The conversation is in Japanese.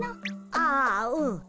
ああうん。